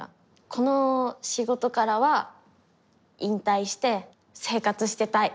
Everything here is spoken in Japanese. この仕事からは引退して生活してたい！